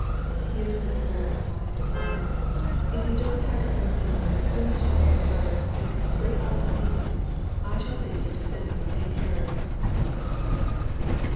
Here's this boy of mine, Margaret if you don't pack up your things as soon as you get this letter, and come straight off to see him, I shall think you're descended from King Herod!"